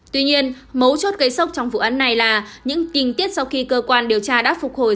tuy nhiên mấu chốt gây sốc trong vụ án này là những tình tiết sau khi cơ quan điều tra đã phục hồi